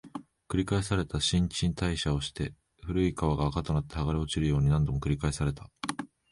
繰り返された、新陳代謝をして、古い皮が垢となって剥がれ落ちるように、何度も繰り返された